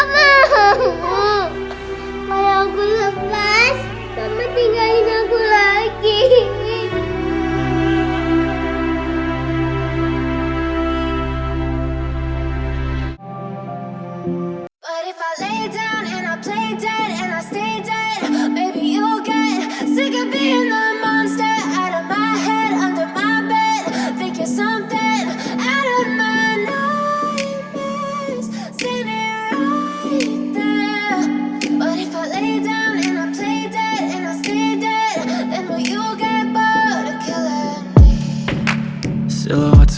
kalau aku lepas